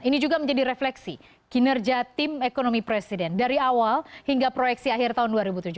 ini juga menjadi refleksi kinerja tim ekonomi presiden dari awal hingga proyeksi akhir tahun dua ribu tujuh belas